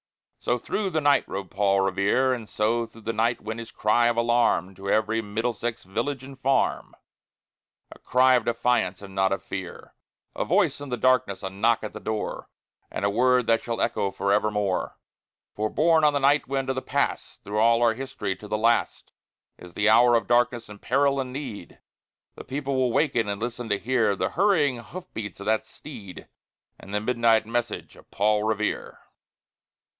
So through the night rode Paul Revere; And so through the night went his cry of alarm To every Middlesex village and farm, A cry of defiance and not of fear, A voice in the darkness, a knock at the door, And a word that shall echo forevermore! For, borne on the night wind of the Past, Through all our history, to the last, In the hour of darkness and peril and need, The people will waken and listen to hear The hurrying hoof beats of that steed, And the midnight message of Paul Revere.